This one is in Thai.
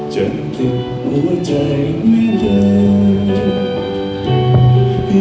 จนติดหัวใจไม่ลืม